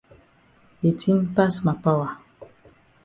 De tin pass ma power.